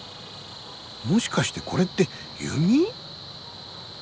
もしかしてこれって弓？